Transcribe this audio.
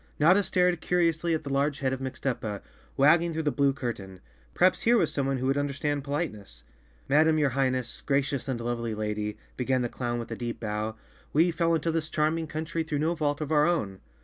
Notta stared curiously at the large head of Mixtuppa, wagging through the blue curtain. Perhaps here was someone who would understand politeness. "Madam, your Highness, gracious and lovely lady," began the clown with a deep bow, "we fell into this charming country through no fault of our own."